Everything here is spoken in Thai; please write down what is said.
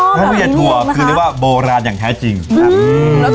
อ๋อเหมือนไงนะคะถั่วคือเรียกว่าโบราณอย่างแท้จริงอืม